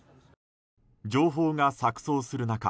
情報が錯綜する中